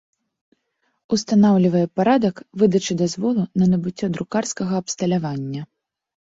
Устанаўлiвае парадак выдачы дазволу на набыццё друкарскага абсталявання.